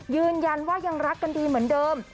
ยืนยันว่ายังรักกันดีเหมือนเดิม